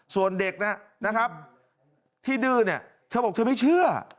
ส่วนเด็กนะครับที่ดื้อเนี่ยเธอบอกเธอไม่เชื่อ